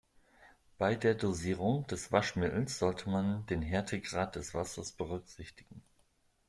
Bei der Dosierung des Waschmittels sollte man den Härtegrad des Wassers berücksichtigen.